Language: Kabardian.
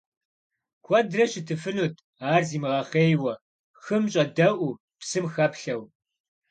Куэдрэ щытыфынут ар зимыгъэхъейуэ хым щӏэдэӏуу, псым хэплъэу.